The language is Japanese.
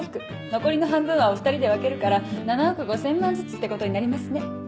残りの半分はお２人で分けるから７億５０００万ずつってことになりますね。